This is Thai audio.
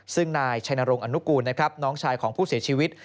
ซึ่งนายชัยนรงค์อนุกูลนะครับน้องชายของผู้เสียชีวิต